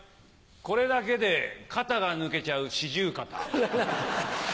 これだけで肩が抜けちゃう四十肩。